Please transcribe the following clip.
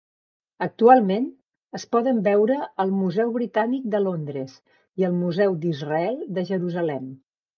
Actualment, es poden veure al Museu Britànic de Londres i al Museu d'Israel de Jerusalem.